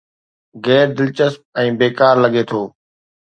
غير دلچسپ ۽ بيڪار لڳي ٿو